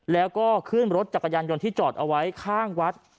แล้วก็ขึ้นรถจักรยานยนต์ที่จอดเอาไว้ข้างวัด